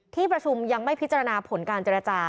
ที่ประชุมยังไม่พิจารณาผลการเจรจา